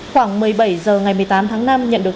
khoảng một mươi bảy h ngày một mươi tám tháng năm